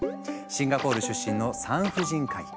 シンガポール出身の産婦人科医。